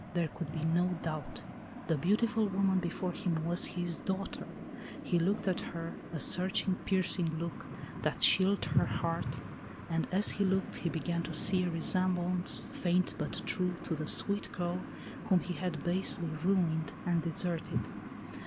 There could be no doubt. The beautiful woman before him was his daughter ! He looked at her, a search ing, piercing look, that chilled her heart, — and, 105 ALICE ; OR, THE WAGES OF SIN. as he looked, he began to see a resemblance, faint but true, to the sweet girl, whom he had basely ruined and deserted.